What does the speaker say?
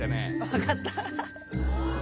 分かった？